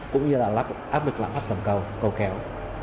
cũng như là áp lực là áp tầm cầu cầu khéo